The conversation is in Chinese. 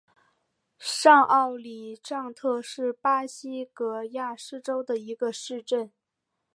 上奥里藏特是巴西戈亚斯州的一个市镇。